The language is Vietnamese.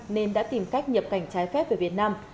nên đã tìm cách nhập cảnh trái phép về việt nam